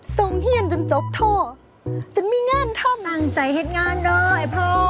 ส่งเฮียนจนจกโทจนมีงานเท่ามั่งใจเห็นงานเลยไอ้พ่อ